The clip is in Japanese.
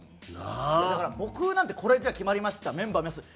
だから僕なんてこれじゃあ決まりましたメンバー見ます。